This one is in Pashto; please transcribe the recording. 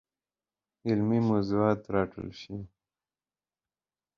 علمي موضوعات راټول شوي دي.